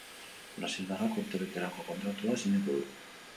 Brasildarrak urtebeterako kontratua sinatu du.